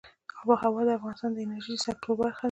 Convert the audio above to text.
آب وهوا د افغانستان د انرژۍ د سکتور برخه ده.